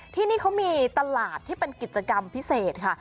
ที่นี่เขามีตลาดที่เป็นกิจกรรมพิเศษค่ะ